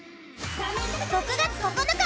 ６月９日